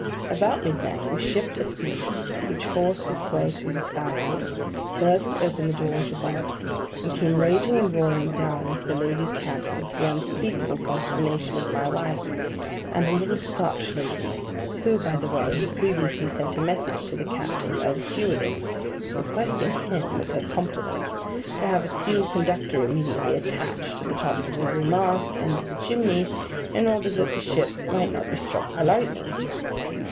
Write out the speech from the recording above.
About midnight we shipped a sea, which forced its way through the skylights, burst open the doors above, and came raging and roaring down into the ladies' cabin, to the unspeakable consternation of my wife and a little Scotch lady—who, by the way, had previously sent a message to the captain by the stewardess, requesting him, with her compliments, to have a steel conductor immediately attached to the top of every mast, and to the chimney, in order that the ship might not be struck by lightning.